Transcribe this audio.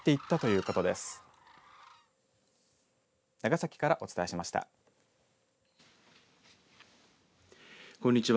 こんにちは。